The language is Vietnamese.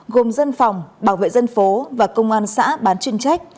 gồm dân phòng bảo vệ dân phố và công an xã bán chuyên trách